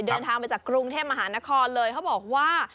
เดินทางไปจากกรุงเทพมหานครเลยเขาบอกว่า